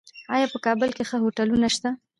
آیا په کابل کې ښه هوټلونه شته؟